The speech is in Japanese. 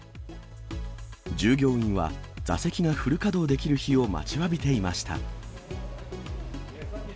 従業員は座席がフル稼働できる日を待ちわびていました。